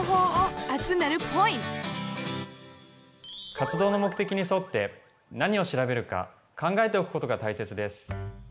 活動の目的に沿って何を調べるか考えておくことがたいせつです。